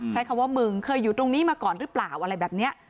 ใช้คำว่ามึงเคยอยู่ตรงนี้มาก่อนหรือเปล่าอะไรแบบนี้